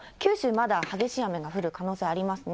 まだ激しい雨が降る可能性ありますね。